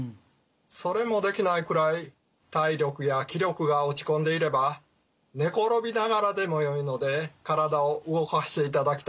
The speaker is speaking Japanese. それもできないくらい体力や気力が落ち込んでいれば寝転びながらでもよいので体を動かしていただきたいと思います。